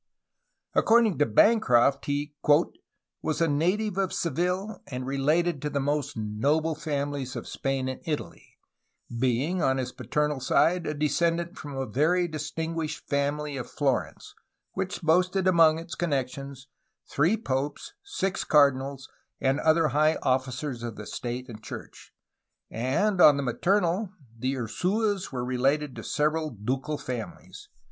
^' According to Bancroft he "was a native of Seville, and related to the most noble families of Spain and Italy, being on his paternal side a descendant from a very distinguished family of Florence, which boasted among its connections three popes, six cardinals, and other high ojSicers of the state and church; and on the maternal, the Ursuas were related to several ducal families.